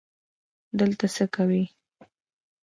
دلته څه کوې؟